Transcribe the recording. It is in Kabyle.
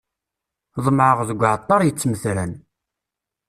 Ḍemεeɣ deg uεeṭṭar yettmetran.